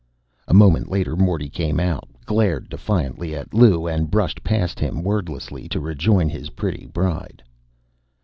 A moment later, Morty came out, glared defiantly at Lou and brushed past him wordlessly to rejoin his pretty bride.